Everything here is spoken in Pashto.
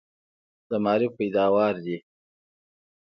د معارف پیداوار دي.